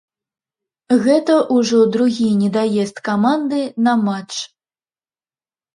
Гэта ўжо другі недаезд каманды на матч.